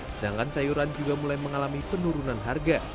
sedangkan sayuran juga mulai mengalami penurunan harga